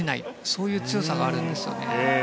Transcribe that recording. そういう強さがあるんですよね。